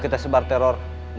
praksi mau jemput mu